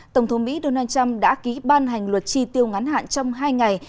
tổng thống mỹ donald trump đã ký ban hành luật tri tiêu ngắn hạn trong hai ngày